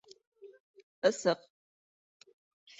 Ысыҡ